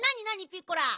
ピッコラ。